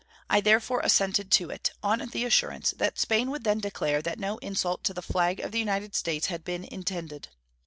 I therefore assented to it, on the assurance that Spain would then declare that no insult to the flag of the United States had been intended.